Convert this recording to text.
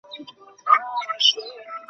তিনি ইরানের সিস্তান ও শাহপুরের রাজা ছিলেন।